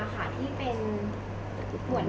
ผมแทบแล้วไม่ไหวเลย